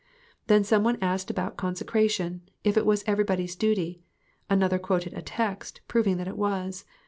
Then some one asked about consecration if it was everybody's duty ; another quoted a text, proving that it was.